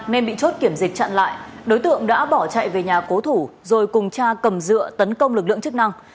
nên bị chốt kiểm dịch chặn lại đối tượng đã bỏ chạy về nhà cố thủ rồi cùng cha cầm dựa tấn công lực lượng chức năng